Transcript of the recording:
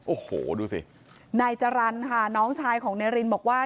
โอ้โหดูสินายจรรย์ค่ะน้องชายของนายรินบอกว่า